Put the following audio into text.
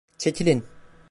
Çekilin!